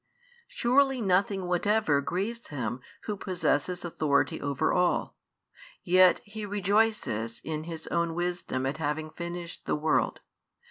Surely nothing whatever grieves Him Who possesses authority over all; yet He rejoices in His own Wisdom at having finished the world.